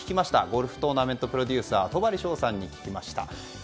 ゴルフトーナメントプロデューサーの戸張捷さんに聞きました。